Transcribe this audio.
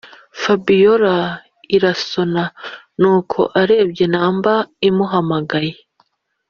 fabiora irasona nuko arebye number imuhamagaye